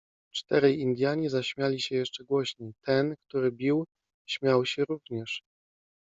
Czterej Indianie zaśmiali się jeszcze głośniej; ten, który bił, śmiał się również.